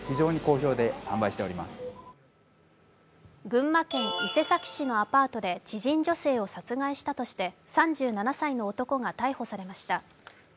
群馬県伊勢崎市のアパートで知人女性を殺害したとして３７歳の男が逮捕されました。